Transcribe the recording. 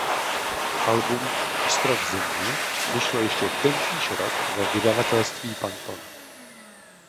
Album "Ostrov Země" vyšlo ještě tentýž rok ve vydavatelství Panton.